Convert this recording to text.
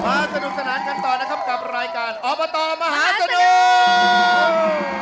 สนุกสนานกันต่อนะครับกับรายการอบตมหาสนุก